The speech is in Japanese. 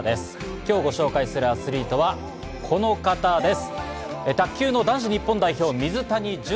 今日、ご紹介するアスリートはこの方です。